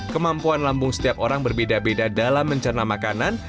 kemampuan lambung setiap orang berbeda beda dalam mencerna makanan